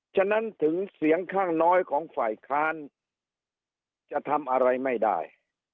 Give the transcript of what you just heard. ฉะนั้นถึงเสียงข้างน้อยของฝ่ายค้านจะทำอะไรไม่ได้